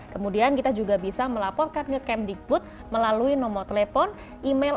kemudian kita juga bisa melaporkan ke kemdikbud melalui nomor telepon email